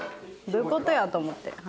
どういうことや？と思って。